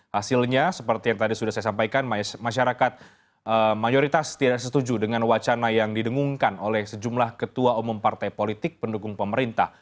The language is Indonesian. hasilnya seperti yang tadi sudah saya sampaikan masyarakat mayoritas tidak setuju dengan wacana yang didengungkan oleh sejumlah ketua umum partai politik pendukung pemerintah